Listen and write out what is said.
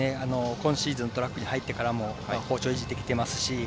今シーズントラックに入ってからも好調を維持しています。